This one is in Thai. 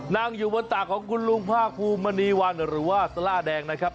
นั่งอยู่บนตากของคุณลุงภาคภูมิมณีวันหรือว่าซาล่าแดงนะครับ